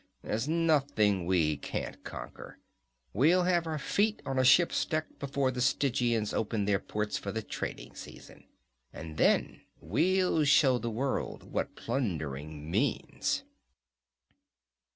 "There's nothing we can't conquer. We'll have our feet on a ship's deck before the Stygians open their ports for the trading season. And then we'll show the world what plundering means!"